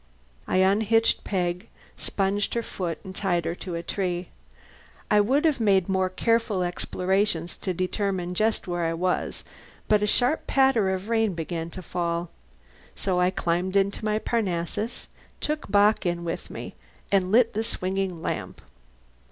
I unhitched Peg, sponged her foot, and tied her to a tree. I would have made more careful explorations to determine just where I was, but a sharp patter of rain began to fall. So I climbed into my Parnassus, took Bock in with me, and lit the swinging lamp.